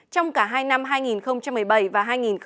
trong cả hai năm hai nghìn một mươi bảy và hai nghìn một mươi tám